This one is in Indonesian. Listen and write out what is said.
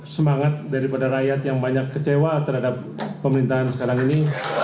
semangat daripada rakyat yang banyak kecewa terhadap pemerintahan sekarang ini